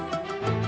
nih aku tidur